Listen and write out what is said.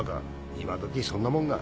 今どきそんなもんが。